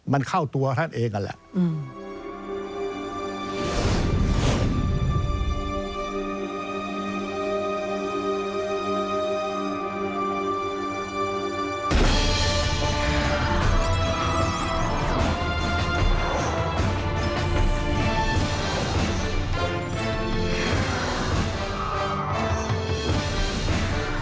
มันเข้าตัวท่านเองนั่นแหละ